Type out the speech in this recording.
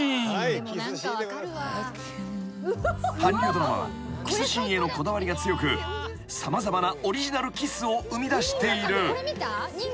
［韓流ドラマはキスシーンへのこだわりが強く様々なオリジナルキスを生みだしている］